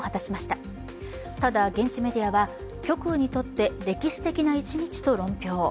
ただ、現地メディアは極右にとって歴史的な一日と論評。